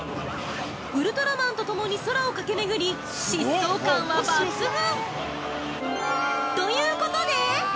ウルトラマンとともに空を駆けめぐり、疾走感は抜群！